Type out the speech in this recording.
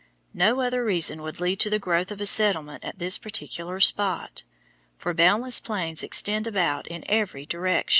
No other reason would lead to the growth of a settlement at this particular spot, for boundless plains extend about it in every direction.